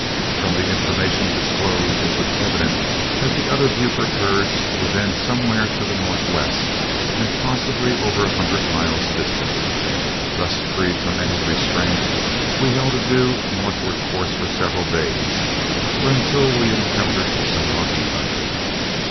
From the information disclosed, it was evident that the other Buford herds were then somewhere to the northwest, and possibly over a hundred miles distant. Thus freed from any restraint, we held a due northward course for several days, or until we encountered some rocky country.